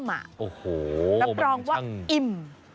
โอ้โหมันจังครบจุใจรับรองว่าอิ่ม